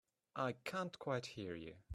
I can't quite hear you.